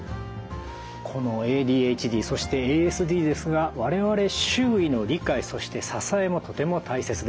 このＡＤＨＤそしてＡＳＤですが我々周囲の理解そして支えもとても大切です。